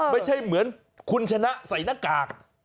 ไม่ใช่เหมือนคุณชนะใส่หน้ากาก